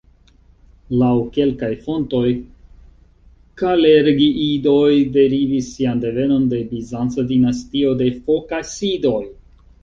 Laŭ kelkaj fontoj Kalergiidoj derivis sian devenon de bizanca dinastio de Fokasidoj.